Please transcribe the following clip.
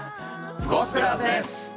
ゴスペラーズです！